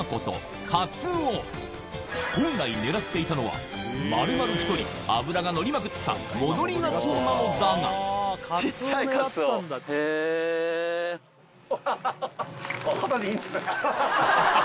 本来狙っていたのは丸々太り脂がのりまくった戻りガツオなのだがハハハ